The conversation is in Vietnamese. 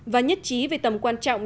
và nhất trí về tầm quan trọng